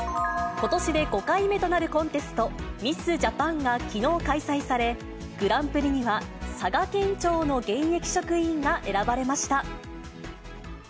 ことしで５回目となるコンテスト、ミス・ジャパンがきのう開催され、グランプリには佐賀県庁の現役職員が選ばれました。